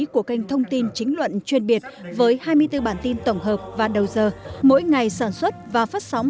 của kênh thông tin chính luận chuyên biệt với hai mươi bốn bản tin tổng hợp và đầu giờ mỗi ngày sản xuất và phát sóng